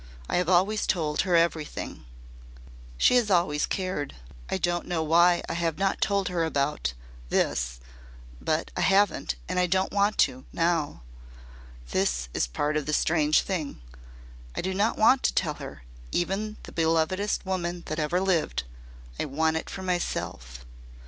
I have always told her everything. She has always cared. I don't know why I have not told her about this but I haven't and I don't want to now. That is part of the strange thing. I do not want to tell her even the belovedest woman that ever lived. I want it for myself.